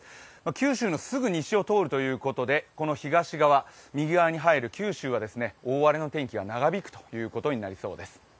九州のすぐ西を通るということでこの東側、右側に入る九州が大荒れの天気が長引くということになりそうです。